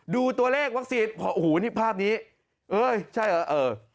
ดูตัวเลขวัคซีนพอโอ้โหนี่ภาพนี้เอ้ยใช่เหรอเออ